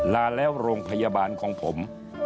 ลาแล้วโรงพยาบาลของผม